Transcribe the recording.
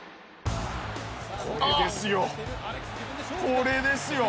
これですよ。